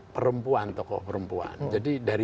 perempuan tokoh perempuan jadi dari